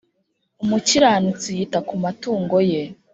umukiranutsi yita ku matungo ye,